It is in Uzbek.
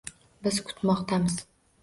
Biz kutmoqdamiz